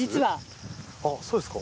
あっそうですか。